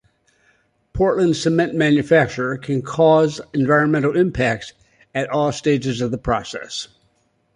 Portland cement manufacture can cause environmental impacts at all stages of the process.